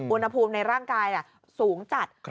อุณหภูมิในร่างกายสูงจัด